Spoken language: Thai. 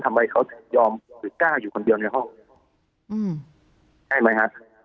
ทำไมเขายอมหรือกล้าอยู่คนเดียวในห้องใช่ไหมครับ